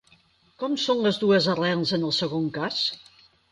Com són les dues arrels en el segon cas?